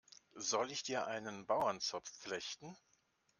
Soll ich dir einen Bauernzopf flechten?